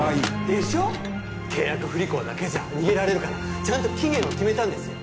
でしょ契約不履行だけじゃ逃げられるからちゃんと期限を決めたんですよ